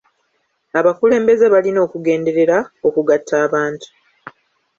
Abakulembeze balina okugenderera okugatta abantu.